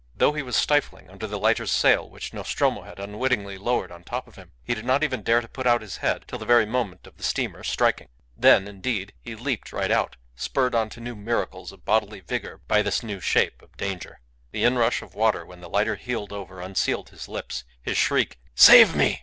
Though he was stifling under the lighter's sail which Nostromo had unwittingly lowered on top of him, he did not even dare to put out his head till the very moment of the steamer striking. Then, indeed, he leaped right out, spurred on to new miracles of bodily vigour by this new shape of danger. The inrush of water when the lighter heeled over unsealed his lips. His shriek, "Save me!"